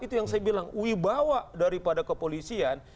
itu yang saya bilang wibawa daripada kepolisian